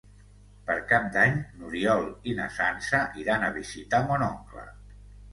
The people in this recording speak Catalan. Per Cap d'Any n'Oriol i na Sança iran a visitar mon oncle.